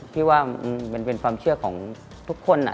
พี่ว่ามันเป็นความเชื่อของทุกคน